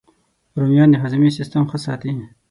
رومیان د هاضمې سیسټم ښه ساتي